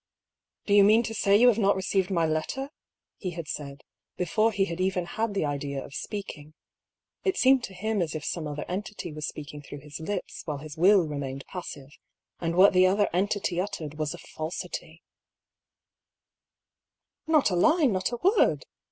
"Do you mean to say you have not received my letter?" he had said, before he had even had the idea of speaking. It seemed to him as if some other entity was speaking through his lips, while his will remained passive. And what the other entity uttered was a fals ity 1 " Not a line, not a word